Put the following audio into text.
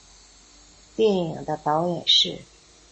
电影的导演是。